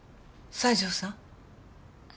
西条さん？